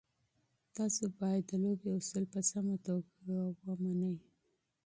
تاسو باید د لوبې اصول په سمه توګه رعایت کړئ.